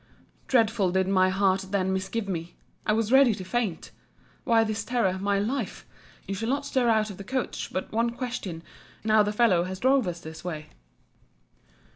Dreadfully did my heart then misgive me: I was ready to faint. Why this terror, my life? you shall not stir out of the coach but one question, now the fellow has drove us this way.